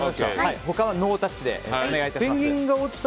他はノータッチでお願いします。